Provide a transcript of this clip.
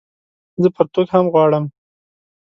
زه پرتوګ هم غواړم